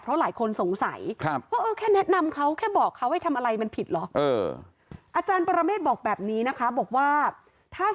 เพราะว่าหลายคนสงสัย